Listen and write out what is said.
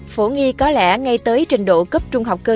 phổ nghi có lẽ ngay tới trình độ cấp trung học cơ sở